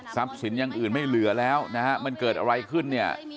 สินอย่างอื่นไม่เหลือแล้วนะฮะมันเกิดอะไรขึ้นเนี่ย